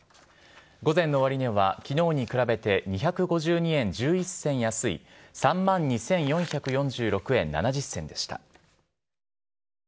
午前の終値はきのうに比べて２５２円１１銭安い、３万２４４６円７０銭でした。